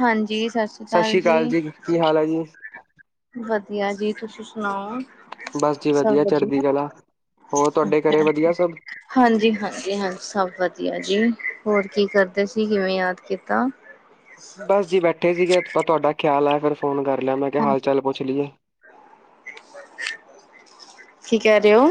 ਹਾਂਜੀ ਸਤਿ ਸ਼੍ਰੀ ਅਕਾਲ ਸਾਸ਼ੀਕਾਲ ਜੀ, ਕੀ ਹਾਲ ਆ ਜੀ? ਵਧੀਆ ਜੀ, ਤੁਸੀ ਸੁਨਾਓ? ਬਸ ਜੀ ਵਧੀਆ ਚੜ੍ਹਦੀਕਲਾ, ਹੋਰ ਤੁਆਡੇ ਘਰੇ ਅੱਛਾ ਵਧੀਆ ਸਬ? ਹਾਂਜੀ, ਹਾਂਜੀ-ਹਾਂਜੀ ਸਭ ਵਧੀਆ ਜੀ, ਹੋਰ ਕੀ ਕਰਦੇ ਸੀ। ਕਿਵੇਂ ਯਾਦ ਕੀਤਾ? ਬਸ ਜੀ ਬੈਠੇ ਸੀਗੇ, ਆਪਾਂ ਤੁਹਾਡਾ ਖਿਆਲ ਆ ਫਿਰ ਫੋਨ ਕਰ ਲਿਆ, ਮੈਂ ਕਿਹਾ ਹਾਂਜੀ, ਹਾਲ-ਚਾਲ ਪੁੱਛ ਲਈਏ? ਕੀ ਕਹਿ ਰਹੇ ਹੋ?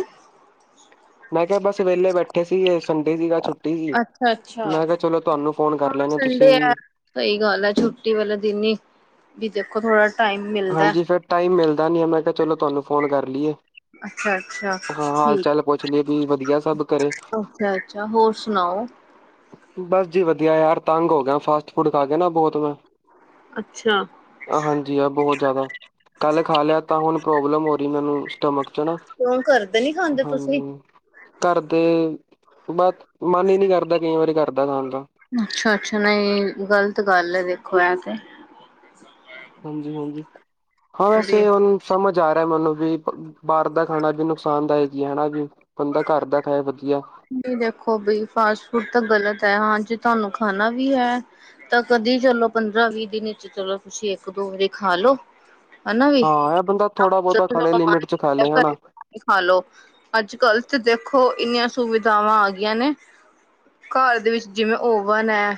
ਮੈਂ ਕਿਹਾ ਬਸ ਵੇਹਲੇ ਬੈਠੇ ਸੀਗੇ, ਸੰਡੇ ਸੀਗਾ ਛੁੱਟੀ ਸੀ। ਅੱਛਾ ਅੱਛਾ ਮੈਂ ਕਿਹਾ ਚਲੋ ਤੁਹਾਨੂੰ ਫੋਨ ਕਰ ਹਾਂ ਲੈਂਨੇਆਂਂ, ਤੁਸੀਂ ਸੰਡੇ ਆ ਵੀ ਸਹੀ ਗੱਲ ਹੈ, ਛੁੱਟੀ ਵਾਲੇੇ ਦਿਨ ਹੀ ਦੇਖੋ ਥੋੜਾ ਟਾਈਮ ਮਿਲਦਾ ਹਾਂਜੀ ਫਿਰ ਟਾਈਮ ਮਿਲਦਾ ਨਹੀਂ, ਮੈਂ ਕਿਹਾ ਚਲੋ ਤੁਹਾਨੂੰ ਫੋਨ ਕਰ ਲਈਏ। ਅੱਛਾ ਅੱਛਾ ਹਾਂ ਹਾਲ ਠੀਕ ਚਾਲ ਹੈ। ਪੁੱਛ ਲਏ ਵੀ ਵਧੀਆ ਸਭ ਘਰੇ। ਅੱਛਾ -ਅੱਛਾ ਹੋਰ ਸੁਣਾਓ? ਬਸ ਜੀ ਵਧੀਆ ਯਾਰ, ਤੰਗ ਹੋ ਗਿਆ ਫਾਸਟ ਫੂਡ ਖਾ ਕੇ ਨਾ ਬਹੁਤ ਮੈਂ ਅੱਛਾ। ਹਾਂਜੀ ਆ ਬਹੁਤ ਜ਼ਿਆਦਾ। ਕੱਲ੍ਹ ਖਾ ਲਿਆ ਤਾਂ ਹੁਣ ਪ੍ਰੋਬਲਮ ਹੋ ਰਹੀ ਮੈਨੂੰ ਸਟਮਕ ਚ ਨਾ। ਅਗੇ ਨੀ ਖਾਂਦੇ ਤੁਸੀਂ? ਘਰਦੇ, ਬਸ ਮਨ ਹੀ ਨਹੀਂ ਕਰਦਾ ਕਈ ਵਾਰੀ ਘਰਦਾ ਖਾਣ ਦਾ। ਅੱਛਾ -ਅੱਛਾ ਨਹੀਂ ਗ਼ਲਤ ਗੱਲ ਹੈ ਦੇਖੋ ਇਹ ਤੇ। ਹਾਂਜੀ -ਹਾਂਜੀ ਹਾਂ, ਵੀ ਵੈਸੇ ਹੁਣ ਸਮਝ ਆ ਰਿਹਾ ਮੈਨੂੰ ਵੀ ਬਾਹਰ ਦਾ ਖਾਣਾ ਵੀ ਨੁਕਸਾਨ ਦਾਇਕ ਹੀ ਹਨਾ, ਵੀ ਬੰਦਾ ਘਰ ਦਾ ਖਾਏ ਵਧੀਆ। ਨਦੇਖੋ ਬਈ, ਫਾਸਟ ਫੂਡ ਤਾਂ ਗ਼ਲਤ ਹੈ, ਹਾਂ ਜੇ ਤੁਹਾਨੂੰ ਖਾਣਾ ਵੀ ਹੈ ਤਾਂ ਕਦੀ ਚਲੋ ਪੰਦਰਾਂ ਵੀਹ ਦਿਨ ਚ ਚਲੋ ਛੇ ਇੱਕ ਦੋ ਵਾਰੀ ਖਾ ਲੋੋ। ਹ ਨਵੀ ਹਾਂ ਇਹ ਕਰ ਬੰਦਾ ਥੋੜਾ ਬਹੁਤਾ ਖਾ ਲਏ ਲਿਮਿਟ ਚ ਖਾ ਲਏ ਹਨਾ [unintelligible] ਖਾ ਲੋ, ਅੱਜ ਕੱਲ ਤੇ ਦੇਖੋ ਇੰਨੀਆਂ ਸੁਵਿਧਾਵਾਂ ਆ ਗਈਆਂ ਨੇ, ਘਰ ਦੇ ਵਿੱਚ ਜਿਵੇਂ ਓਵਨ ਹੈ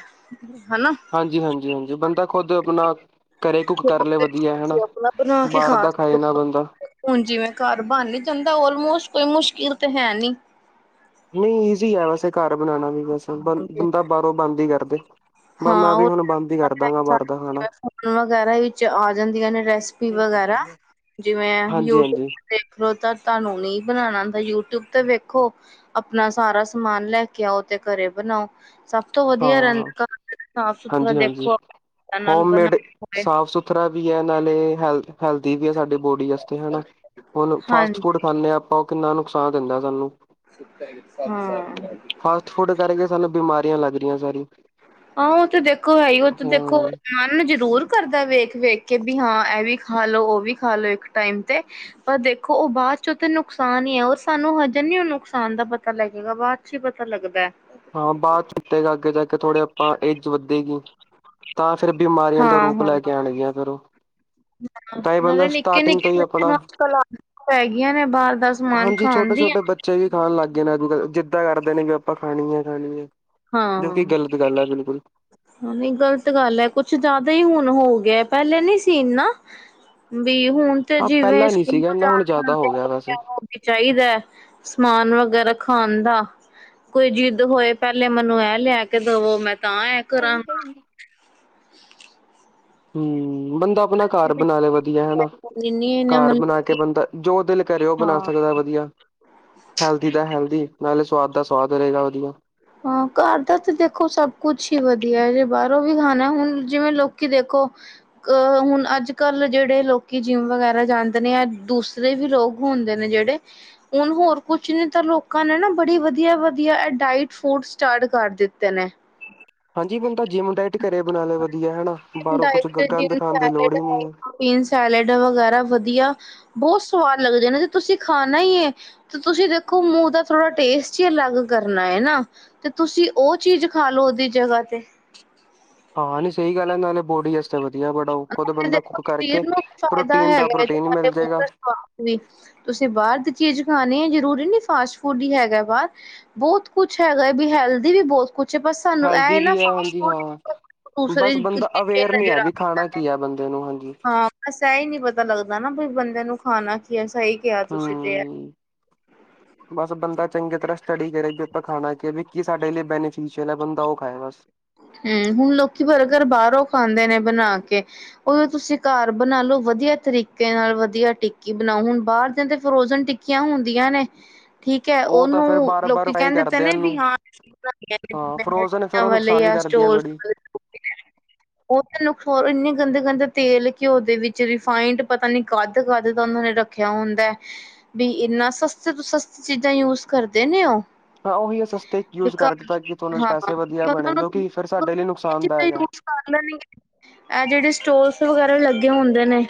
ਹਨਾ। ਹਾਂਜੀ -ਹਾਂਜੀ -ਹਾਂਜੀ ਬੰਦਾ ਖੁਦ ਆਪਣਾ ਘਰੇ ਕੁੱਕ ਕਰ ਲਏ ਵਧੀਆ ਹੈਨਾ, ਤੁਸੀਂ ਆਪਣਾ ਬਣਾ ਕੇ ਬਾਹਰ ਖਾ ਦਾ ਖਾਏ ਸਕਦੇ ਨਾ ਹੋ ਬੰਦਾ। ਹੁਣ ਜਿਵੇਂ ਘਰ ਬਣ ਨੀ ਜਾਂਦਾ, ਔਲਮੋਸਟ ਕੋਈ ਮੁਸ਼ਕਿਲ ਤਾਂ ਹੈ ਨਹੀਂ। ਨਹੀਂ ਇਜ਼ੀ ਹੈ ਵੈਸੇ ਘਰ ਬਣਾਉਣਾ ਵੀ, ਬਸ ਬ ਹਾਂਜੀ ਬੰਦਾ ਬਾਹਰੋਂ ਬੰਦ ਹੀ ਕਰਦੇ। ਮਾਂ ਹਾਂ ਮੈਂ ਵੀ ਉਹ ਹੁਣ ਬੰਦ ਹੀ ਕਰਦਾਂਗਾ ਬਾਹਰ ਦਾ ਖਾਣਾ। ਫੋਨ ਵਗੈਰਾ ਵਿੱਚ ਆ ਜਾਂਦੀਆਂ ਨੇ ਰੈਸਪੀ ਵਗੈਰਾ, ਜਿਵੇਂ‍ ਹਾਂਜੀ ਯੂਟਿਊਬ ਹਾਂਜੀ ਦੇਖਲੋ ਤਾਂ ਤੁਹਾਨੂੰ ਨਹੀਂ ਬਣਾਉਣਾ ਆਉਦਾਂ, ਯੂਟਿਊਬ ਤੇ ਵੇਖੋ। ਆਪਣਾ ਸਾਰਾ ਸਮਾਨ ਲੈ ਕੇ ਆਓ ਤੇ ਘਰੇ ਬਣਾਓ। ਸਭ ਤੋਂ ਹਾਂ ਵਧੀਆ ਰਹਿੰਦਾ ਸਾਫ ਸੁਥਰਾ ਦੇਖੋ। ਨਾਲ ਹੋਮ ਬਣਾ ਮੇਡ ਹੋਵੇ ਸਾਫ਼ ਸੁਥਰਾ ਖਰਾ ਵੀ ਹੈ, ਨਾਲੇ ਹੈਲਦੀ ਵੀ ਹੈ, ਸਾਡੇ ਬੋਡੀ ਵਾਸਤੇ ਹਨਾ, ਹੁਣ ਫਾਸਟ ਹਾਂਜੀ ਫੂਡ ਆਪਾਂ ਉਹ ਕਿੰਨਾ ਨੁਕਸਾਨ ਦਿੰਦਾ ਸਾਨੂੰ। ਹਾਂ। ਫਾਸਟ ਫੂਡ ਕਰਕੇ ਸਾਨੂੰ ਬਿਮਾਰੀਆਂ ਲੱਗ ਰਹੀਆਂ ਸਾਰੀ। ਆਹੋ ਉਹ ਤੇ ਦੇਖੋ ਹੈਈ ਉਹ ਤੇ ਦੇਖੋ। ਹਮ। ਮਨ ਜ਼ਰੂਰ ਕਰਦਾ ਵੇਖ -ਵੇਖ ਕੇ ਵੀ ਹਾਂ ਇਹ ਵੀ ਖਾ ਲੋੋ ਉਹ ਵੀ ਖਾ ਲੋ ਇੱਕ ਟਾਈਮ ਤੇ! ਪਰ ਦੇਖੋ ਉਹ ਬਾਅਦ ਚ ਉਹ ਤਾਂ ਨੁਕਸਾਨ ਹੀ ਹੈ, ਉਹ ਸਾਨੂੰ ਹਜੇ ਨੀ ਉਹ ਨੁਕਸਾਨ ਦਾ ਪਤਾ ਲੱਗੇਗਾ, ਬਾਅਦ ਪਿਛੋਂ ਹੀ ਪਤਾ ਲੱਗਦਾ। ਹਾਂ ਬਾਹਰ ਚੁਟੇਗਾ, ਅੱਗੇ ਜਾ ਕੇ ਥੋੜੇ ਆਪਾਂ ਏਜ ਵੱਧੇਗੀ। ਤਾਂ ਫਿਰ ਬਿਮਾਰੀਆਂ ਦਾ ਹਾਂ ਰੂਪ ਲੈ ਕੇ ਹਾਂ ਆਉਣਗੀਆਂ ਫਿਰ ਉਹ। ਤਾਂ ਇਹ ਬੰਦਾ ਨਾਲੇ ਨਿੱਕੇ ਸਟਾਰਟਿੰਗ ਤੋਂ -ਨਿੱਕੇ ਹੀ ਬੱਚਿਆਂ ਆਪਣਾ ਨੂੰ ਅੱਜ ਕਲ ਤਾਂ ਆਦਤਾਂ ਪੈ ਗਈਆਂ ਨੇ, ਬਾਹਰ ਦਾ ਸਮਾਨ ਹਾਂਜੀ ਖਾਣ ਛੋਟੇ ਛੋਟੇ ਦੀਆਂ। ਬੱਚੇ ਵੀ ਖਾਣ ਲੱਗ ਗਏ ਨੇ, ਅੱਜ ਕੱਲ ਜਿੱਦਾਂ ਕਰਦੇ ਨੇ ਵੀ ਆਪਾਂ ਖਾਣੀ ਹੈ -ਖਾਣੀ ਹੈ। ਜੋਕੀ ਹਾਂ ਗ਼ਲਤ ਗੱਲ ਹੈ ਬਿਲਕੁਲ। ਨਹੀਂ ਗ਼ਲਤ ਗੱਲ ਹੈ, ਕੁਛ ਜ਼ਿਆਦਾ ਹੀ ਹੁਣ ਹੋ ਗਿਆ, ਪਹਿਲੇ ਨਹੀ ਸੀ ਏੇ ਨਾ। ਵੀ ਹੁਣ ਤੇ ਹਾਂ ਜਿਵੇਂ ਪਹਿਲਾਂ ਨੀ ਸਕੂਲ ਸੀਗਾ ਇਨਾ ਜਾ ਹੁਣ ਹ ਜ਼ਿਆਦਾ ਹੋ ਗਿਆ ਵੈਸੇ। [unintelligible] ਵੀ ਚਾਹੀਦਾ ਹੈ, ਸਮਾਨ ਵਗੈਰਾ ਖਾਣ ਦਾ, ਕੋਈ ਜਿੱਦ ਹੋਏ ਪਹਿਲੇ ਮੈਨੂੰ ਇਹ ਲਿਆ ਕੇ ਦਵੋ ਮੈਂ ਤਾਂ ਐ ਕਰਾਂ ਹੂੰ, ਬੰਦਾ ਆਪਣਾ ਘਰ ਮਤਲਬ ਬਣਾ ਲੈ ਵਧੀਆ ਹਨਾ। ਘਰ ਬਣਾ ਕੇ ਕਿ ਬੰਦਾ ਜੋ ਦਿਲ ਕਰੇ ਉਹ ਬਣਾ ਹਾਂ ਸਕਦਾ ਵਧੀਆ। ਹੈਲਦੀ ਦਾ ਹੈਲਦੀ ਨਾਲੇ ਸਵਾਦ ਦਾ ਸੁਆਦ ਰਹੇਗਾ ਵਧੀਆ। ਹਾਂ ਘਰ ਦਾ ਤਾਂ ਦੇਖੋ ਸਭ ਕੁਛ ਹੀ ਵਧੀਆ, ਜੇ ਬਾਹਰੋਂ ਵੀ ਖਾਣਾ ਹੁਣ ਜਿਵੇਂ ਲੋਕੀ ਦੇਖੋ ਅ ਹੁਣ ਅੱਜ-ਕੱਲ ਜਿਹੜੇ ਲੋਕੀ ਜਿੰਮ ਵਗੈਰਾ ਜਾਂਦੇ ਨੇ ਆ ਦੂਸਰੇ ਵੀ ਲੋਕ ਹੁੰਦੇ ਨੇ ਜਿਹੜੇ, ਹੁਣ ਹੋਰ ਕੁਛ ਨੇ ਤਾਂ ਲੋਕਾਂ ਨੇ ਨਾ ਬੜੀ ਵਧੀਆ-ਵਧੀਆ ਏ ਡਾਇਟ ਫੂਡ ਸਟਾਰਟ ਕਰ ਦਿੱਤੇ ਨੇ। ਹਾਂਜੀ ਬੰਦਾ ਜਿੰਮ ਡਾਇਟ ਘਰੇ ਬਣਾ ਲਏ ਵਧੀਆ ਹਨਾ ਬਾਹਰੋਂ ਕੁਛ ਗੰਦ ਖਾਣ ਦੀ ਲੋੜ ਹੀ ਨੀ। ਚੀਨ ਸੈਲਡ ਵਗੈਰਾ ਵਧੀਆ, ਬਹੁਤ ਸਵਾਦ ਲੱਗਦੇ ਨੇ ਜੇ ਤੁਸੀਂ ਖਾਣਾ ਹੀ ਏ ਤੇ ਤੁਸੀਂ ਦੇਖੋ ਮੂੰਹ ਦਾ ਥੋੜ੍ਹਾ ਟੇਸਟ ਹੀ ਅਲੱਗ ਕਰਨਾ ਹੈ ਨਾ। ਤੇ ਤੁਸੀਂ ਉਹ ਚੀਜ਼ ਖਾ ਲੋ ਉਹਦੀ ਜਗ੍ਹਾ ਤੇ। ਹਾਂ ਨੀ ਸਹੀ ਗੱਲ ਆ ਬੋਡੀ ਵਸਤੇ ਅੱਛਾ ਵਧੀਆ ਬੜਾ ਖੁਦ ਤੇ ਬੰਦਾ ਦੇਖੋ ਕੁੱਕ ਸਰੀਰ ਕਰਕੇ ਨੂੰ ਵੀ ਫਾਇਦਾ ਪ੍ਰੋਟੀਨ ਦਾ ਹੈਗਾ ਪ੍ਰੋਟੀਨ ਹੀ ਤੁਹਾਡੇ ਮਿਲ ਮੂੰਹ ਜੇਗਾ। ਦਾ ਸਵਾਦ ਵੀ ਤੁਸੀਂ ਬਾਹਰ ਦੀ ਚੀਜ਼ ਖਾਣੀ ਹੈ, ਜਰੂਰੀ ਨਹੀਂ ਫਾਸਟ ਫੂਡ ਹੀ ਹੈਗਾ ਬਾਹਰ, ਬਹੁਤ ਕੁਛ ਹੈਗਾ ਏ, ਵੀ ਹੈਲਦੀ ਵੀ ਬਹੁਤ ਕੁਛ ਬਸ ਸਾਨੂੰ ਇਹ ਹੈਲਦੀ ਐ ਨਾ ਵੀ ਹੈ ਫਾਸਟ ਹਾਂਜੀ ਫੂਡ, ਹਾਂ ਦੂਸਰੇ ਬਸ ਚੀ ਬੰਦਾ ਅਵੇਅਰ [unintelligible] ਨਹੀਂ ਹੈ ਨਜ਼ਰ ਵੀ ਆਗੇ। ਖਾਣਾ ਕੀ ਆ ਬੰਦੇ ਨੂੰ, ਹਾਂਜੀ। ਹਾਂ ਬਸ ਐ ਹੀ ਨਹੀਂ ਪਤਾ ਲੱਗਦਾ ਨਾ ਬਈ ਬੰਦਿਆਂ ਨੂੰ ਖਾਣਾ ਕੀ ਸਹੀ ਕਿਹਾ ਤੁਸੀਂ ਤੇ ਏ ਹਮ [inaudible] ਬਸ ਬੰਦਾ ਚੰਗੀ ਤਰ੍ਹਾਂ ਸਟੱਡੀ ਕਰੇ ਵੀ ਆਪਾਂ ਖਾਣਾ ਕਿ ਵੀ ਕੀ ਸਾਡੇ ਲਈ ਬੈਨੀਫਿਸ਼ਅਲ ਹੈ ਬੰਦਾ ਉਹ ਖਾਏ ਬਸ। ਹੂੰ, ਹੁਣ ਲੋਕੀ ਬਰਗਰ ਬਾਹਰੋਂ ਖਾਂਦੇ ਨੇ ਬਣਾ ਕੇ। ਉਹੀ ਤੁਸੀਂ ਘਰ ਬਣਾਲੋ ਵਧੀਆ ਤਰੀਕੇ ਨਾਲ ਵਧੀਆ ਟਿੱਕੀ ਬਣਾਓ, ਹੁਣ ਬਾਹਰ ਦੇ ਤੇ ਫਰੋਜਨ ਮੱਖੀਆਂ ਹੁੰਦੀਆ ਨੇ। [inaudible] ਠੀਕ ਹੈ ਉਹ ਤਾਂ ਫੇਰ ਉਹਨੂੰ ਬਾਹਰੋ ਬਾਹਰ ਲੋਕੀ ਫਰਾਈ ਕਹਿੰਦੇ ਤੇ ਕਰਦੇ ਆ ਨੇ ਉਹਨੂੰ, ਵੀ ਹਾਂ ਹਾਂ ਫਰੋਜ਼ਨ ਫੇਰ ਬਣਾਈਆਂ ਉਹਨੂੰ ਤਾ ਵਾਲੇ ਵੀ ਜਾਂ ਕਰਦੀ ਐ ਸਟੋਰ ਬੜੀ। ਉਹ ਚ ਨੁਕਸ ਇੰਨੇ ਗੰਦੇ-ਗੰਦੇ ਤੇਲ ਘਿਓ ਦੇ ਵਿੱਚ ਰਿਫਾਈੰਡ ਪਤਾ ਨੀ ਗੱਧ ਗੱਧ ਤਾਂ ਉਹਨਾਂ ਨੇ ਰ ਰੱਖਿਆ ਹੁੰਦਾ ਬੀ ਇਨਾ ਸਸਤੇ ਤੋਂ ਸਸਤੀ ਚੀਜ਼ਾਂ ਯੂਜ ਕਰਦੇ ਨੇ ਔਹ। ਹਾਂ ਔਹੀ ਸਸਤੇ ਯੂਜ ਕਰ ਦਿੱਤਾ ਕਿ ਤੁਹਾਨੂੰ ਪੈਸੇ ਕਿਉਂਕਿ ਵਧੀਆ ਉਹਨਾਂ ਬਣੇ ਜੋ ਕਿ ਫਿਰ ਨੂੰ ਸਾਡੇ ਲਈ ਚੀਜ਼ਾਂ ਨੁਕਸਾਨਦਾਇਕ ਹੈ। [unintelligible] ਇਹ ਜਿਹੜੇ ਸਟੋਲਸ ਵਗੈਰਾ ਲੱਗੇ ਹੁੰਦੇ ਨੇ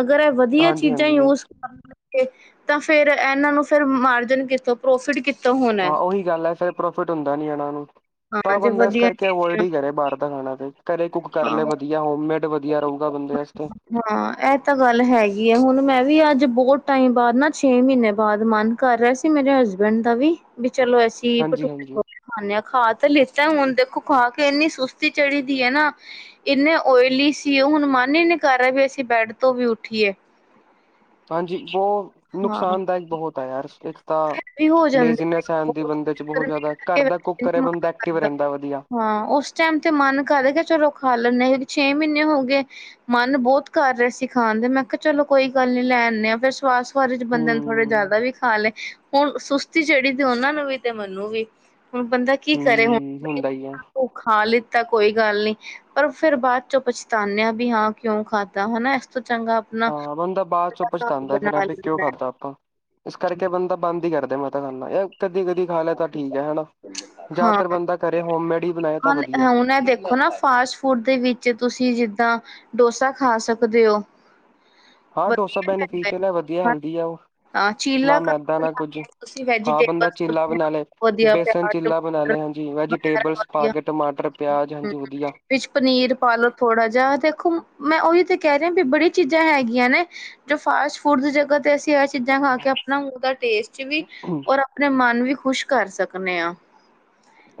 ਅਗਰ ਇਹ ਵਧੀਆ ਹਾਂਜੀ ਚੀਜ਼ਾਂ ਹਾਂਜੀ ਜੀ ਯੂਜ ਕਰ ਤੇ ਤਾਂ ਫੇਰ ਇਹਨਾਂ ਨੂੰ ਫੇਰ ਮਾਰਜਨ ਕਿੱਥੋਂ ਪ੍ਰੋਫਿਟ ਕਿੱਥੋਂ ਹੋਣਾ ਹਾਂ ਉਹੀ ਗੱਲ ਹੈ ਫਿਰ ਪ੍ਰੋਫਿਟ ਹੁੰਦਾ ਨੀ ਇਹਨਾਂ ਨੂੰ। ਹਾਂ ਤਾਂ ਜੇ ਬੰਦਾ ਇਸ ਵਧੀਆ ਕਰਕੇ ਅਵੋਇਡ ਚੀਜ਼ਾਂ ਹੀ ਕਰੇ ਬਾਹਰ ਦਾ ਖਾਣਾ ਫੇਰ ਘਰੇ ਕੁੱਕ ਕਰ ਹਾਂ ਲੈ ਵਧੀਆ ਹੋਮੇਡ ਵਧੀਆ ਰਹੇੂਗਾ ਬੰਦੇ ਵਾਸਤੇ। ਹਾਂ ਇਹ ਤਾਂ ਗੱਲ ਹੈਗੀ ਆ ਹੁਣ ਮੈਂ ਵੀ ਅੱਜ ਬਹੁਤ ਟਾਈਮ ਬਾਅਦ ਨਾ ਛੇ ਮਹੀਨੇ ਬਾਅਦ ਮਨ ਕਰ ਰਿਹਾ ਸੀ ਮੇਰੇ ਹਸਬੈਂਡ ਦਾ ਵੀ, ਚਲੋ ਅਸੀਂ ਹਾਂਜੀ ਭਟੂਰੇ ਹਾਂਜੀ -ਛੋਲੇ ਖਾਂਨੇ ਹਾਂ ਖਾ ਤੇ ਲਿੱਤਾ ਹੁਣ ਦੇਖੋ ਖਾ ਕੇ ਇੰਨੀ ਸੁਸਤੀ ਚੜੀ ਦੀ ਹੈ ਨਾ ਇੰਨੇ ਓਇਲੀ ਸੀ ਹੁਣ ਮਨ ਹੀ ਨਹੀਂ ਕਰ ਰਿਹਾ ਵੀ ਅਸੀਂ ਬੈਡ ਤੋਂ ਵੀ ਉੱਠੀਏ। ਹਾਂਜੀ ਬਹੁ ਹਾਂ ਨੁਕਸਾਨਦਾਇਕ ਬਹੁਤ ਹੈ ਯਾਰ ਇੱਕ ਤਾਂ ਵੀ ਹੋ ਜਾਂਦੇ ਲੇਜ਼ੀਨੈਸ ਨੇ ਆ ਜਾਂਦੀ ਬਹੁਤ ਬੰਦੇ ਚ ਬਹੁਤ ਗਰਮੀ ਜ਼ਿਆਦਾ ਘਰ ਕਰਕੇ ਦਾ ਕੁੱਕ ਵੈਸੇ ਕਰੇ ਨੀ ਬੰਦਾ ਮਨ ਐਕਟਿਵ ਕਰਦਾ। ਰਹਿੰਦਾ ਵਧੀਆ। ਹਾਂ ਉਸ ਟਾਈਮ ਤੇ ਮਨ ਕਰ ਕੇ ਚਲੋ ਖਾ ਲੈਂਦੇ ਛੇ ਮਹੀਨੇ ਹੋ ਗਏ। ਮਨ ਬੋਹੁਤ ਕਰ ਰਹਾ ਸੀ ਖਾਣ ਦੇ ਮੈਂ ਕਿਹਾ ਚਲੋ ਕੋਈ ਗੱਲ ਨੀ ਲੈ ਆਦੇ ਆ ਫਿਰ ਸਵਾਸ ਵਾਦ ਚ ਬੰਦੇ ਨੇ ਥੋੜੇ ਹੂੰ ਜ਼ਿਆਦਾ ਵੀ ਖਾ ਲਏ ਹੁਣ ਸੁਸਤੀ ਚੜ੍ਹੀ ਤੇ ਉਹਨਾਂ ਨੂੰ ਵੀ ਤੇ ਮੈਨੂੰ ਵੀ ਹੁਣ ਬੰਦਾ ਕੀ ਕਰੇ ਹੁਣ ਹੂੰ ਹੁੰਦਾ ਹੀ ਹੈ ਭ ਖਾ ਲਿੱਤਾ ਕੋਈ ਗੱਲ ਨੀ ਪਰ ਫਿਰ ਬਾਅਦ ਚੋਂ ਪਛਤਾਨੇਆ ਵੀ ਹਾਂ ਕਿਉਂ ਖਾਧਾ ਹਨਾ ਇਸ ਤੋਂ ਚੰਗਾ ਆਪਣਾ ਹਾਂ ਬੰਦਾ ਬਾਅਦ ਚੋਂ ਘਰ ਪਛਤਾੰਦਾ ਫਿਰ ਬਣਾ ਵੀ ਕਿਉਂ ਲੈਂਦਾ ਖਾਧਾ ਆਪਾਂ ਇਸ ਕਰਕੇ ਬੰਦਾ ਬੰਦ ਹੀ ਕਰਦੇ ਮੈਂ ਤਾ ਕੈਨਾ ਏ ਕਦੀ, ਕਦੀ ਖਾ ਲੈ ਤਾਂ ਠੀਕ ਹੈ ਹੈਨਾ, ਹਾਂ ਜ਼ਿਆਤਰ ਬੰਦਾ ਘਰੇ ਹੋਮਮੇਡੀ ਹੀ ਬਣਾਏ ਤਾਂ ਵਧੀਆ। ਹੁਣ ਏ ਦੇਖੋ ਨਾ ਫਾਸਟ ਫੂ ਫੂਡ ਦੇ ਵਿੱਚ ਤੁਸੀ ਜਿੱਦਾਂ ਡੋਸਾ ਖਾ ਸਕਦੇ ਹੋ। ਹਾਂ! ਡੋਸਾ ਵਧੀਆ ਰਹਿੰਦਾ ਹੈ। ਬੈਨੀਫਿਸ਼ਿਅਲ ਏ ਵਧੀਆ ਹਾਂ ਵਧੀਆ ਹ ਉਹ। ਹਾਂ, ਚੀਲਾ ਨਾ ਘਰ ਮੈਦਾ ਨਾ ਬਣਾ ਕੁੱਝ ਕੇ ਤੁਸੀਂ ਹਾਂ ਬੰਦਾ ਵੈਜੀਟੇਬਲਸ ਚੀਲਾ ਵਧੀਆ ਬਣਾ ਲੈ, ਵਧੀਆ ਬੇਸਨ ਪਿਆਜ ਚਿੱਲਾ ਬਣਾ ਟਮਾਟਰ ਲਿਆ। ਹਾਂਜੀ! ਵਗੈਰਾ ਵੈਜੀਟੇਬਲਸ ਪਾ ਵਧੀਆ ਕੇ ਟਮਾਟਰ, ਪਿਆਜ ਹੂੰ ਹਾਂਜੀ! ਵਧੀਆ। ਵਿੱਚ ਪਨੀਰ ਪਾਲੋ ਥੋੜਾ ਜਿਹਾ ਦੇਖੋ ਮੈਂ ਉਹੀ ਤੇ ਕਹਿ ਰਿਹਾ ਵੀ ਬੜੀ ਚੀਜ਼ਾਂ ਹੈਗੀਆਂ ਨੇ, ਜੋ ਫਾਸ ਫੂਡ ਦੀ ਜਗ੍ਹਾ ਤੇ ਅਸੀ ਏਸ ਚੀਜ਼ਾਂ ਖਾ ਕੇ ਆਪਨਾ ਮੂੰਹ ਦਾ ਟੇਸਟ ਵੀ ਔਰ ਆਪਨੇ ਮਨ ਵੀ ਖੁਸ਼ ਕਰ ਸਕਨੇ ਆ।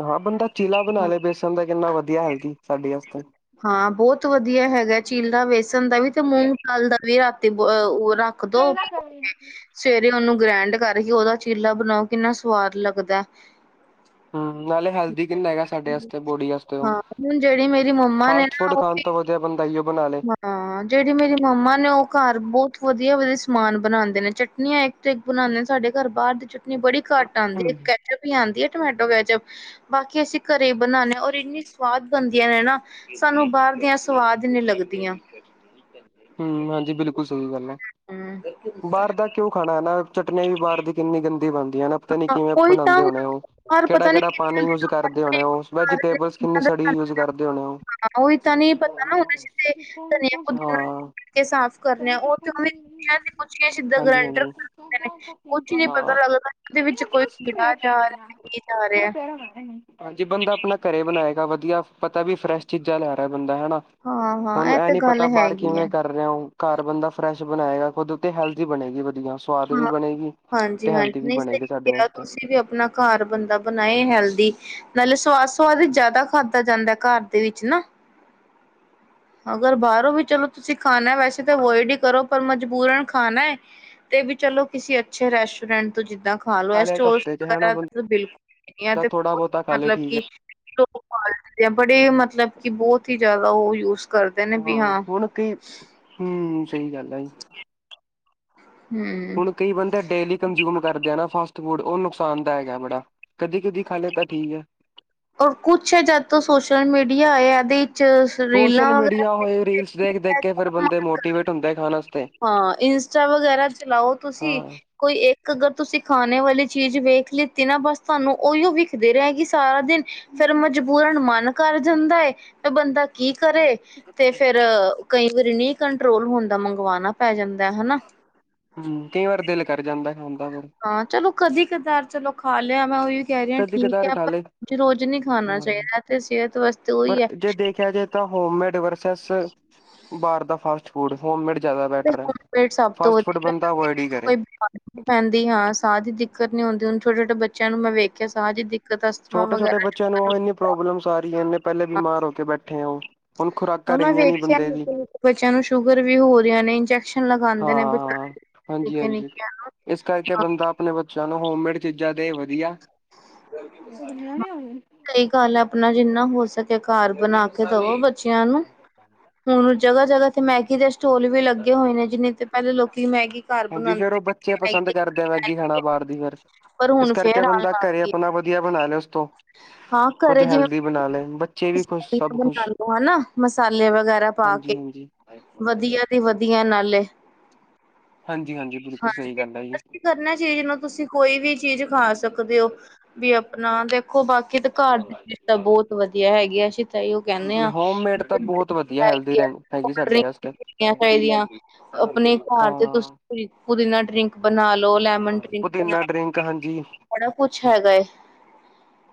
ਹਾਂ! ਬੰਦਾ ਚੀਲਾ ਬਣਾ ਲਏ ਬੇਸਣ ਦਾ। ਕਿੰਨਾ ਵਧੀਆ, ਹੈਲਦੀ ਸਾਡੇ ਵਾਸਤੇ। ਹਾਂ! ਬਹੁਤ ਵਧੀਆ ਹੈਗਾ ਏ ਚੀਲਾ। ਬੇਸਣ ਦਾ ਵੀ, ਤੇ ਮੂੰਗ ਦਾਲ ਦਾ ਵੀ। ਰਾਤੀ ਬ, ਉਹ ਰੱਖ ਦੋ। ਕਿਆ ਕਰ ਰਹੇ ਓ? ਸਵੇਰੇ ਉਹਨੂੰ ਗ੍ਰੈਂਡ ਕਰਕੇ ਉਹਦਾ ਚੀਲਾ ਬਣਾਓ ਕਿੰਨਾ ਸਵਾਦ ਲੱਗਦਾ। ਹਮ! ਨਾਲੇ ਹੈਲਦੀ ਕਿੰਨਾ ਹੈਗਾ ਆ ਸਾਡੇ ਵਾਸਤੇ, ਬੋਡੀ ਵਾਸਤੇ ਉਹ। ਹਾਂ, ਹੁਣ ਜਿਹੜੀ ਮੇਰੀ ਮੰਮਾ ਨੇ ਫਾਸਟ ਨਾ ਫੂਡ ਉਹ ਖਾਣ ਤੋਂ ਵਧੀਆ ਬੰਦਾਈਓ ਇਹੋ ਬਣਾ ਲਏ, ਜ਼ੇੜੀ ਮੇਰੀ ਮੰਮਾ ਨੇ ਉ ਕਰ ਬੋਤ ਵਦੀਆ ਵਦੀਆ ਸਮਾਨ ਬਨਾਂਦੇ ਨੇ ਚਟਨੀਆਂ ਬਣਾਉਂਦੇ ਸਾਡੇ ਘਰ ਬਾਹਰ ਦੀ ਚਟਨੀ ਬੜੀ ਘੱਟ ਆਉਂਦੀ ਹੈ ਕੈਚਅਪ ਵੀ ਆਉਂਦੀ ਹੈ ਟਮੈਟੋ ਕੈਚਪ ਬਾਕੀ ਅਸੀਂ, ਕਰੇ ਬਨਾਨੇ ਆ ਔਰ ਇੰਨੀ ਸਵਾਦ ਬਨਦੀਆਂ ਨੇ ਨਾ ਸਾਨੂੰ ਬਾਰ ਦੀਆਂ ਸਵਾਦ ਈ ਨੀ ਲੱਗਦੀਆ। ਹਮ! ਹਾਂਜੀ, ਬਿਲਕੁਲ ਸਹੀ ਗੱਲ ਏ। ਹੂੰ, ਬਾਹਰ ਦਾ ਕਿਉਂ ਖਾਣਾ? ਹੈਣਾ? ਚਟਨੀਆ ਵੀ ਬਾਹਰ ਦੀ ਕਿੰਨੀ ਗੰਦੀ ਬਣਦੀ ਹੈਂ ਨਾ। ਪਤਾ ਨੀ ਕਿਵੇਂ ਉਹੀ ਤਾਂ ਬਣਾਉਂਦੇ ਹੁਣ ਹੋਉਣੇ ਉਹ? ਬਾਹਰ ਕਿਹੜਾ ਪਤਾ ਨੀ ਕਿਹੜਾ ਪਾਣੀ ਕਿੱਦਾਂ ਦੇ ਯੂਜ ਕਰਦੇ ਹੋਣੇ ਉਹ ਵੈਜੀਟੇਬਲ ਕਿੰਨੀ ਸੜੀ ਲੋਕ ਯੂਜ ਕਰਦੇ ਹੋਣੇ ਉਹ, ਹਾਂ ਉਹੀ ਤਾਂ ਨੀ ਪਤਾ ਉਧੇ ਚ ਤੇ ਧਨੀਆ ਪੁਦੀਨਾ ਹਾਂ। ਕੇ ਸਾਫ਼ ਕਰਨੇ ਆ ਉੱ ਤੇ ਪੂਰੀ ਸਿੱਦਾਂ ਗਰੈਂਡਰ ਹਾਂਜੀ-ਹਾਂਜੀ। ਕਰਦੇ ਨੇ ਕੁਛ ਈ ਨੀ ਪਤਾ ਹਾਂ, ਲੱਗਦਾ ਕਿ ਵਿੱਚ ਕੋਈ ਕੀੜਾ ਜਾ ਰਿਹਾ। ਕੀ ਜਾ ਰਿਹਾ? ਹਾਂਜੀ ਬੰਦਾ ਆਪਣਾ ਘਰੇ ਬਣਾਏਗਾ ਵਧੀਆ ਪਤਾ ਵੀ ਫਰੈਸ਼ ਚੀਜ਼ਾਂ ਲੈ ਰਿਹਾ ਬੰਦਾ ਹੈਾ, ਹਾਂ ਹਾਂ ਹੁਣ ਇਹ ਤੇ ਨੀ ਗੱਲ ਪਤਾ ਬਾਹਰ ਹੈਗੀ ਹੈ ਕਿਵੇਂ ਕਰ ਰ ਰਿਹਾ ਹੋ ਘਰ ਬੰਦਾ ਫਰੈਸ਼ ਬਣਾਏਗਾ ਖੁਦ ਤੇ ਹੈਲਦੀ ਬਣੇਗੀ ਵਧੀਆ, ਸਵਾਦ ਵੀ ਹਾਂ! ਬਣੇਗੀ ਤੇ ਹਾਂਜੀ-ਹਾਂਜੀ, ਹੈਲਦੀ ਵੀ ਨਹੀਂ! ਸਹੀ ਬਣੇਗੀ ਸਾਡੇ ਕਿਹਾ ਵਾਸਤੇ ਤੁਸੀ ਵੀ ਆਪਣਾ। ਘਰ ਬੰਦਾ ਬਣਾਏ ਹੈਲਦੀ ਨਾਲੇ ਸਵਾਦ ਸੁਵਾਦ ਜ਼ਿਆਦਾ ਖਾਧਾ ਜਾਂਦਾ ਘਰ ਦੇ ਵਿੱਚ ਨਾ, ਅਗਰ ਬਾਹਰੋਂ ਵੀ ਚਲੋ ਤੁਸੀ ਖਾਣਾ ਏ। ਵੈਸੇ ਤੇ ਅਵੋਇਡ ਹੀ ਕਰੋ। ਪਰ ਮਜਬੂਰਨ ਖਾਣਾ ਏ। ਤੇ ਬਈ ਚਲੋ ਕਿਸੀ ਅੱਛੇ ਰੈਸਟੋਰੈਂਟ ਤੋਂ, ਜਿੱਦਾਂ ਖ ਖਾ ਲਓ। ਇਹ ਨਾਲੇ ਇੱਕ ਸਟੋਲਸ ਹਫ਼ਤੇ ਚ ਹੈਣਾ ਵਗੈਰਾ ਦਾ ਬੰਦਾ ਤਾਂ ਬਿਲਕੁਲ ਇਹ ਤੇ ਥੋੜਾ ਬਹੁਤ ਬਹੁਤਾ ਖਾ ਲੇ ਮਤਲਬ ਠੀਕ ਹੈ ਕਿ ਲੋਅ ਕੁਆਲਿਟੀ ਆ, ਇਹ ਬੜੇ ਹੀ ਮਤਲਬ ਕਿ ਬਹੁਤ ਹੀ ਜਿਆਦਾ ਉਹ ਯੂਜ਼ ਕਰਦੇ ਨੇ ਬੀ ਹਾਂ ਹੁਣ ਕਈ ਹਮ! ਸਹੀ ਗੱਲ ਏ ਜੀ। ਹਮ ਹੁਣ ਕਈ ਬੰਦੇ ਡੇਲੀ, ਕੰਜ਼ਯੂਮ ਕਰਦੇ ਹੈਂ ਨਾ ਫਾਸਟ ਫੂਡ। ਉਹ ਨੁਕਸਾਨ ਦਾਇਕ ਹੈ ਬੜਾ। ਕਦੀ-ਕਦੀ ਖਾ ਲਿਆ, ਤਾਂ ਠੀਕ ਹੈ। ਉਹ ਕੁਛ ਹੈ ਜਦ ਤੋਂ ਸੋਸ਼ਲ ਮੀਡੀਆ ਆਇਆ ਇਹਦੇ ਵਿੱਚ ਰੀਲਾਂ ਸ਼ੋਸ਼ਲ ਮੀਡੀਆ ਵਗੈਰਾ ਹੋਏ ਰੀਲਸ ਦੇਖ-ਦੇਖ ਕੇ ਫੇਰ ਬੰਦੇ ਮਨ ਮੋਟੀਵੇਟ ਹੋਂਦਾ ਖਾਨ ਆਸਤੇ। ਹਾਂ ਇੰਸਟਾ ਵਗੈਰਾ ਚਲਾਓ ਤੁਸੀਂ ਹਾਂ ਕੋਈ ਇੱਕ ਅਗਰ ਤੁਸੀਂ ਖਾਣੇ ਵਾਲੀ ਚੀਜ਼ ਵੇਖ ਲਿੱਤੀ ਨਾ ਬਸ ਤੁਹਾਨੂੰ ਉਹੀਓ ਵੇਖਦੇ ਰਹੇਗੀ ਸਾਰਾ ਦਿਨ। ਫਿਰ ਮਜਬੂਰਨ ਮਨ ਕਰ ਜਾਂਦਾ ਏ ਤੇ ਬੰਦਾ ਕੀ ਕਰੇ, ਤੇ ਫਿਰ ਕਈ ਵਾਰੀ ਨਹੀਂ ਕੰਟਰੋਲ ਹੁੰਦਾ ਮੰਗਵਾਣਾ ਪੈ ਜਾਂਦਾ ਹਨਾ। ਹੂੰ ਕਈ ਵਾਰੀ ਦਿਲ ਕਰ ਜਾਂਦਾ ਏ ਖਾਨ ਦਾ। ਹਾਂ ਚਲੋ ਕਦੀ ਕਦਾਰ ਚਲੋ ਖਾ ਲਿਆ ਮੈਂ ਉਹੀਓ ਕਹਿ ਰਹੀ ਆ ਕਦੀ ਠੀਕ ਕਦਾਰ ਐ ਖਾ ਪਰ ਲੇ ਰੋਜ਼-ਰੋਜ਼ ਨੀ ਖਾਣਾ ਹਾਂ ਚਾਹੀਦਾ ਤੇ ਸਿਹਤ ਵਾਸਤੇ ਪਰ ਉਹੀ ਐ। ਜੇ ਦੇਖਿਆ ਜਾਏ ਤਾਂ ਹੋਮਮੇਡ ਵਰਸਿਸ, ਬਾਹਰ ਦਾ ਫਾਸਟ ਫੂਡ ਹੋਮਮੇਡ ਜਿਆਦਾ ਤੇ ਬੈਟਰ ਐ। ਹੋਮ ਮੇਡ ਸਭ ਤੋਂ ਫਾਸਟ ਫੂਡ ਵਧੀਆ ਬੰਦਾ ਅਵੋਇਡ ਹੀ ਕਰੇ। ਕੋਈ ਬਿਮਾਰੀ ਪੈਂਦੀ ਹਾਂ ਸਾਹ ਦੀ ਦਿੱਕਤ ਨੀ ਹੁੰਦੀ ਹੁਨ ਛੋਟੇ-ਛੋਟੇ ਬੱਚਿਆਂ ਨੂੰ ਮੈਂ ਵੇਖਿਆ ਸਾਹ ਦੀ ਦਿਕ ਛੋਟੇ-ਛੋਟੇ ਬੱਚਿਆਂ ਨੂੰ ਉਹ ਇੰਨੀ ਪ੍ਰੋਬਲਮਸ ਆ ਰਹੀਆਂ ਨੇ। ਪਹਿਲੇ ਬਿਮਾਰ ਹੋ ਕੇ ਬੈਠੇ ਆ, ਉਹ ਹੁਣ ਹਾਂ ਖੁਰਾਕਾਂ ਮੈਂ ਰਹੀਆਂ ਨੀ ਵੇਖਿਆ ਬੰਦੇ ਦੀ। ਨਿੱਕੇ-ਨਿੱਕੇ ਬੱਚਿਆਂ ਨੂੰ ਸ਼ੂਗਰ ਵੀ ਹੋ ਰਹੀਆਂ ਨੇ ਇੰਜੈਕਸ਼ਨ ਲਗਾਂਦੇ ਨੇ ਹਾਂ-ਹਾਂ, ਬਚਾਰੇ ਹਾਂਜੀ-ਹਾਂਜੀ ਨਿੱਕੇ-ਨਿੱਕਿਆਂ ਨੂੰ ਇਸ ਕਰਕੇ ਬੰਦਾ- ਆਪਣੇ ਬੱਚਿਆਂ ਨੂੰ ਹੋਮਮੇਡ ਚੀਜ਼ਾਂ ਦੇ ਵਧੀਆ। [unintelligible] ਕਈ ਗੱਲ ਆਪਣਾ ਜਿੰਨਾ ਹੋ ਸਕੇ ਘਰ ਬਣਾ ਕੇ ਦਵੋ ਬੱਚਿਆਂ ਨੂੰ। ਹਾਂ ਹੁਣ ਜਗ੍ਹਾ-ਜਗ੍ਹਾ ਤੇ ਮੈਗੀ ਦੇ ਸਟੋਲ ਵੀ ਲੱਗੇ ਹੋਏ ਨੇ ਜਿਨੇ ਤੇ ਪਹਿਲਾਂ ਲੋਕੀ ਮੈਗੀ ਘਰ ਹਾਂਜੀ ਬਣਾਉਂਦੇ ਫੇਰ ਉਹ ਬੱਚੇ ਪਸੰਦ ਕਰਦੇ ਆ ਮੈਗੀ ਖਾਣਾ [unintelligible] ਬਾਹਰ ਦੀ ਫਿਰ। ਪਰ ਇਸ ਹੁਣ ਕਰਕੇ ਫੇਰ ਆਣ ਬੰਦਾ ਲੱਗ ਘਰੇ ਗਈ, ਆਪਣਾ ਵਧੀਆ ਬਣਾ ਲਏ ਉਸ ਤੋਂ ਹਾਂ ਕੁੱਝ ਘਰੇ ਜਿਵੇਂ ਹੈਲਦੀ ਬਣਾ ਲਏ ਬੱਚੇ ਵੀ ਖੁਸ਼ ਸੀਆਂ ਸਭ ਖੁਸ਼। ਬਣਾਾਲੋ ਹਨਾ, ਮਸਾਲੇ ਵਗੈਰਾ ਪਾ ਕੇ, ਹਾਂਜੀ-ਹਾਂਜੀ, ਵਧੀਆ ਦੀ ਵਧੀਆ ਨਾਲੇ। ਹਾਂਜੀ-ਹਾਂਜੀ ਬਿਲਕੁਲ ਸਹੀ ਹਾਂਜੀ, ਗੱਲ ਹੈ ਜੀ। ਕਰਨਾ ਚੀਜ਼ ਨੂੰ ਤੁਸੀਂ ਕੋਈ ਵੀ ਚੀਜ਼ ਖਾ ਸਕਦੇ ਓ। ਵੀ ਆਪਣਾ ਦੇਖੋ ਬਾਕੀ ਤੇ ਘਰ ਦੀ ਚੀਜ਼ ਤਾਂ ਬਹੁਤ ਵਧੀਆ ਹੈਗੀ ਆ ਅਸੀਂ ਤਾਂਹੀਓ ਕਹਿੰਨੇ ਹਾਂਜੀ ਆ ਹੋਮਮੇਡ ਤਾਂ [unintelligible] ਬਹੁਤ ਵਧੀਆ ਹੈਲਦੀ ਰਹਿੰ ਹੈਗੀ ਸਾਡੇ ਵਾਸਤੇ ਚਾਹੀਦੀਆਂ ਆਪਣੇ ਘਰ ਤੇ ਹਾਂ ਤੁਸੀ ਪੁਦੀਨਾ ਡਰਿੰਕ ਬਣਾ ਲੋ, ਲੈਮਨ ਡਰਿੰਕ ਬਣਾ ਪੁਦੀਨਾ ਡਰਿੰਕ ਹਾਂਜੀ ਲੋ ਬੜਾ ਕੁਛ ਹੈਗਾ ਏ।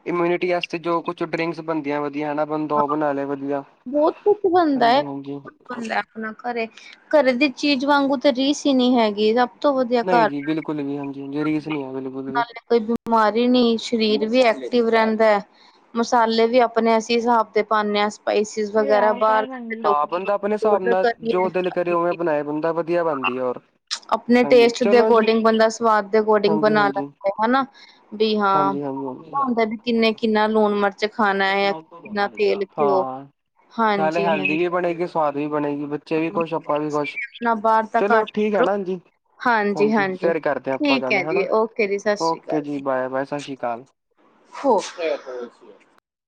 ਇਮਿਊਨਿਟੀ ਵਾਸਤੇ ਜੋ ਕੁਛ ਡਰਿੰਕਸ ਬਣਦੀਆਂ ਵਧੀਆ ਹਨਾ ਬੰਦਾ ਉਹ ਬਣਾ ਲਏ ਵਧੀਆ। ਬਹੁਤ ਕੁਛ ਬਣਦਾ, ਹਾਂਜੀ ਹਾਂਜੀ [unintelligible] ਆਪਣਾ ਘਰੇ, ਘਰੇ ਦੀ ਚੀਜ਼ ਵਾਂਗੂ ਤਾਂ ਰੀਸ ਈ ਨੀ ਹੈਗੀ ਆਪ- ਸਭ ਤੋਂ ਵਧੀਆ ਨਹੀਂ ਘਰ, ਜੀ ਬਿਲਕੁਲ ਵੀ ਹਾਂਜੀ ਹਾਂਜੀ ਰੀਸ ਨਹੀਂ ਹੈ ਬਿਲਕੁਲ ਵੀ ਨਾਲੇ ਕੋਈ ਬੀ- ਬਿਮਾਰੀ ਨੀ ਸਰੀਰ ਵੀ ਐਕਟਿਵ ਰਹਿੰਦਾ। ਮਸਾਲੇ ਵੀ ਆਪਣੇ ਅਸੀਂ ਹਿਸਾਬ ਦੇ ਪਾਨੇ ਆ। ਸਪਾਈਸਿਸ ਵਗੈਰਾ ਬਾਹਰ ਲੋਕ ਹਾਂ ਬੰਦਾ ਔਡਰ ਕਰੀਏ [unintelligible] ਹੈ ਬੰਦਾ ਵਧੀਆ ਬੰ ਆਪਣੇ ਟੇਸਟ ਦੇ ਜੀ ਅਕੋਰਡਿੰਗ ਬੰਦਾ ਸਵਾਦ ਦੇ ਅਕੋਰਡਿੰਗ ਹਾਂਜੀ ਬਣਾ ਹਾਂਜੀ ਲੈਂਦਾ। ਹਨਾ, ਬੀ ਹਾਂ, ਹਾਂਜੀ ਹਾਂਜੀ ਹੁੰਦਾ ਵੀ ਕਿੰਨੇ ਕਿੰਨਾ ਲੂਣ ਮਿਰ- ਚ ਖਾਣਾ ਏ ਕਿੰਨਾ ਤੇਲ ਘਿਓ, ਹਾਂ ਨਾਲੇ ਹੈਲਦੀ ਹਾਂਜੀ-ਹਾਂਜੀ। ਵੀ ਬਣੇਗੀ ਸਵਾਦ ਵੀ ਬਣੇਗੀ ਬੱਚੇ ਵੀ ਖੁਸ਼ ਆਪਾਂ ਵੀ ਖੁਸ਼, ਨਾ ਬਾਹਰ ਦਾ ਚਲੋ ਘੱਟ ਠੀਕ ਹੈ ਕਰੋ ਨਾ ਹਾਂਜੀ। ਹਾਂਜੀ ਫਿਰ ਕਰਦੇ ਆ ਆਪਾਂ ਠੀਕ ਗੱਲ ਹੈ ਹੈਨਾ, ਜੀ ਓਕੇ ਜੀ ਸਤਿ ਸ਼੍ਰੀ ਓਕੇ ਅਕਾਲ ਜੀ ਬਾਏ-ਬਾਏ ਸਸ਼ੀ ਕਾਲ। ਹੋ